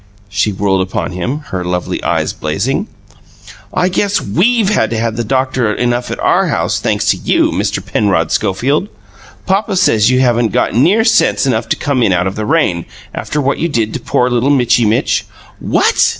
She whirled upon him, her lovely eyes blazing. "I guess WE'VE had to have the doctor enough at OUR house, thanks to you, Mister Penrod Schofield. Papa says you haven't got NEAR sense enough to come in out of the rain, after what you did to poor little Mitchy Mitch " "What?"